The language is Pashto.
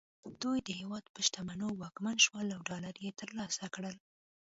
دوی د هېواد په شتمنیو واکمن شول او ډالر یې ترلاسه کړل